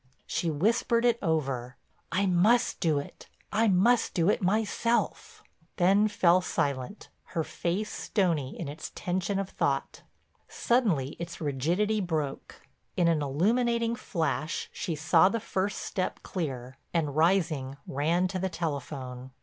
She whispered it over, "I must do it. I must do it myself," then fell silent, her face stony in its tension of thought. Suddenly its rigidity broke; in an illuminating flash she saw the first step clear, and rising ran to the telephone.